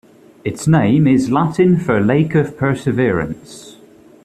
Its name is Latin for Lake of Perseverance.